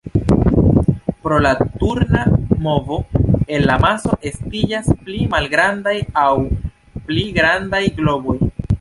Pro la turna movo el la maso estiĝas pli malgrandaj aŭ pli grandaj globoj.